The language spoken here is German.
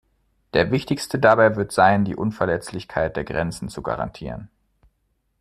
Der wichtigste dabei wird sein, die Unverletzlichkeit der Grenzen zu garantieren.